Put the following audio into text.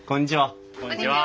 こんにちは。